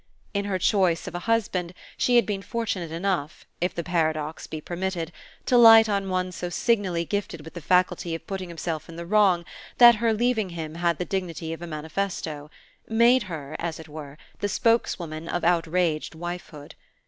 In her choice of a husband she had been fortunate enough, if the paradox be permitted, to light on one so signally gifted with the faculty of putting himself in the wrong that her leaving him had the dignity of a manifesto made her, as it were, the spokeswoman of outraged wifehood.